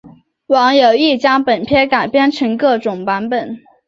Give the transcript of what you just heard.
网友亦将本片改编成各种版本。